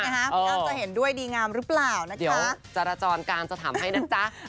พี่อ้ามจะเห็นด้วยดีงามรึเปล่านะคะเดี๋ยวจราจรการจะถามให้นะจ๊ะ